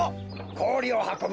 こおりをはこぶ